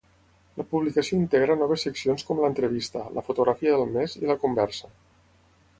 La publicació integra noves seccions com l'entrevista, la fotografia del mes i la conversa.